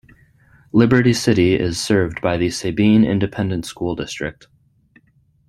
Liberty City is served by the Sabine Independent School District.